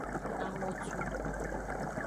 Angotu.